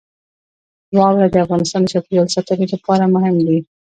واوره د افغانستان د چاپیریال ساتنې لپاره مهم دي.